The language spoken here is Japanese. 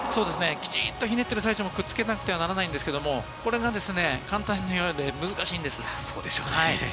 きちんとひねっている最中も、くっつけなきゃいけないんですが、簡単なようで難しいんです。